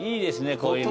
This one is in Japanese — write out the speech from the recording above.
こういうの。